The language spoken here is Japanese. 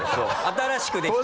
新しくできたね。